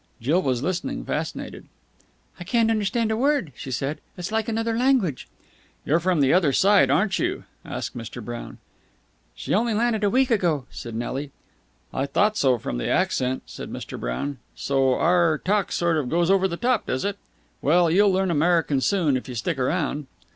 Jill was listening, fascinated. "I can't understand a word," she said. "It's like another language." "You're from the other side, aren't you?" asked Mr. Brown. "She only landed a week ago," said Nelly. "I thought so from the accent," said Mr. Brown. "So our talk sort of goes over the top, does it? Well, you'll learn American soon, if you stick around."